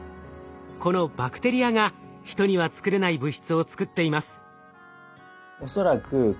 このバクテリアがヒトには作れない物質を作っています。